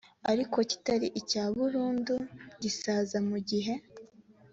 ariko kitari icya burundu gisaza mu gihe